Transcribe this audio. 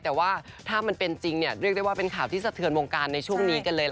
แต่ว่าถ้ามันเป็นจริงเนี่ยเรียกได้ว่าเป็นข่าวที่สะเทือนวงการในช่วงนี้กันเลย